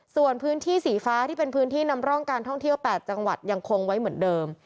ส่วนพื้นที่สีฟ้าที่เป็นพื้นที่นำร่องการท่องเที่ยว๘จังหวัดยังคงไว้เหมือนเดิม